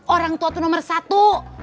orang tua tuh nomer satu